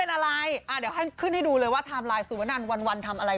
ในสักคนดูว่าเขาเคยเป็นอะไร